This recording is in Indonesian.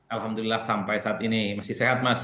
alhamdulillah sampai saat ini masih sehat mas